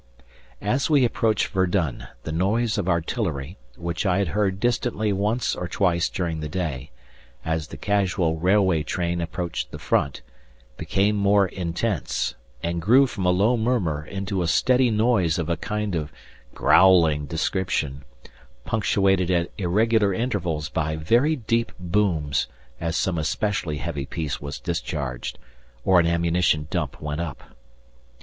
As we approached Verdun the noise of artillery, which I had heard distantly once or twice during the day, as the casual railway train approached the front, became more intense and grew from a low murmur into a steady noise of a kind of growling description, punctuated at irregular intervals by very deep booms as some especially heavy piece was discharged, or an ammunition dump went up.